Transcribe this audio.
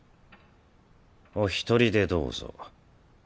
お一人でどうぞ。